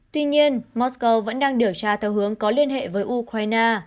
tuy nhiên moscow vẫn đang điều tra theo hướng có liên hệ với ukraine